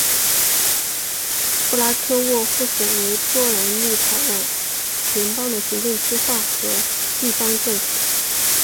布拉克沃夫省为波兰立陶宛联邦的行政区划和地方政府。